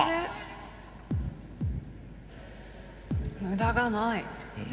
無駄がない。